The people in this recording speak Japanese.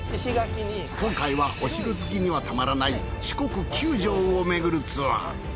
今回はお城好きにはたまらない四国９城をめぐるツアー。